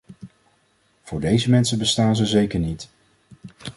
Voor deze mensen bestaan ze zeker niet.